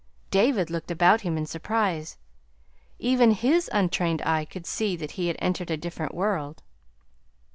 David looked about him in surprise. Even his untrained eye could see that he had entered a different world.